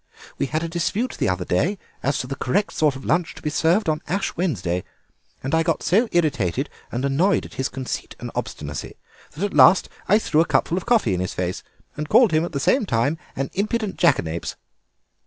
We had a dispute the other day as to the correct sort of lunch to be served on Ash Wednesday, and I got so irritated and annoyed at his conceit and obstinacy that at last I threw a cupful of coffee in his face and called him at the same time an impudent jackanapes.